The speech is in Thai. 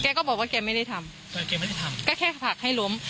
ก็บอกว่าแกไม่ได้ทำแต่แกไม่ได้ทำก็แค่ผลักให้ล้ม